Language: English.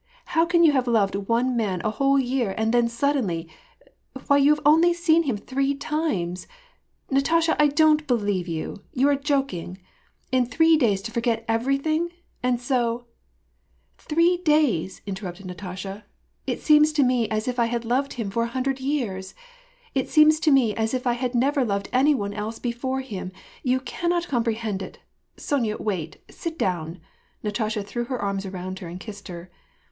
How can you have loved one man a whole year, and then suddenly — Why, you have only seen him three times I Natasha, I don't believe you. You are joking ! In three days to forget everything ? and so "—" Three days !" interrupted Natasha. " It seems to me as if I had loved him for a hundred years. It seems to me as if I had never loved any one else before him. You cannot comprehend it. Sonya, wait ; sit down !" Natasha threw her arms around her, and kissed her.